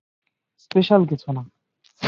Special কিছু না।